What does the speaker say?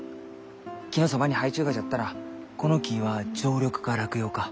木のそばに生えちゅうがじゃったらこの木は常緑か落葉か。